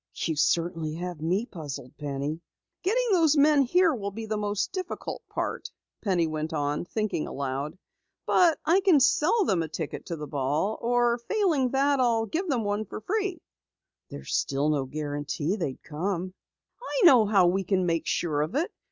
"You certainly have me puzzled, Penny." "Getting those men here will be the most difficult," Penny went on, thinking aloud. "But I can sell them a ticket to the ball. Failing that, I'll give them one free." "There's still no guarantee they would come." "I know how we can make sure of it!